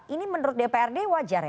ini menurut dprd wajar ya